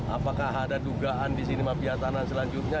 apakah ada dugaan di sinema pihak tanah selanjutnya